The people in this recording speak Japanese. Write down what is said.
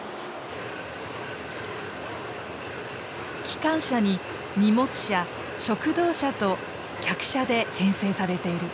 機関車に荷物車食堂車と客車で編成されている。